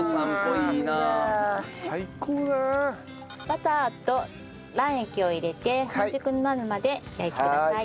バターと卵液を入れて半熟になるまで焼いてください。